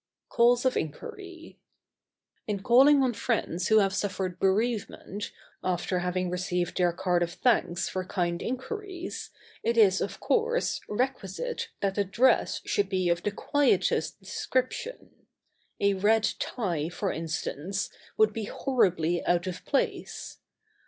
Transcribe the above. CALLS OF INQUIRY. [Sidenote: Calling on friends bereaved.] In calling on friends who have suffered bereavement, after having received their card of thanks for kind inquiries, it is, of course, requisite that the dress should be of the quietest description. A red tie, for instance, would be horribly out of place.